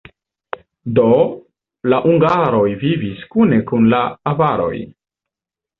Do, la hungaroj vivis kune kun la avaroj.